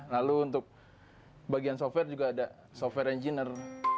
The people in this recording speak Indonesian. lalu untuk bagian software juga ada software engineer